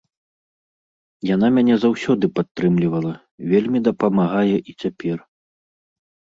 Яна мяне заўсёды падтрымлівала, вельмі дапамагае і цяпер.